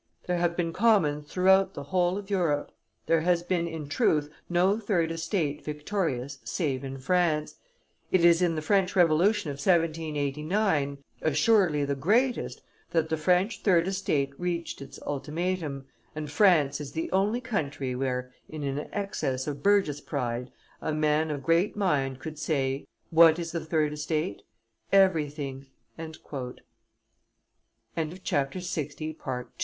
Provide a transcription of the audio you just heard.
There have been commons throughout the whole of Europe; there has been in truth no third estate victorious save in France; it is in the French Revolution of 1789, assuredly the greatest, that the French third estate reached its ultimatum, and France is the only country where, in an excess of burgesspride, a man of great mind could say: 'What is the third estate? Every thing.'" So much excitement in men's minds, and so much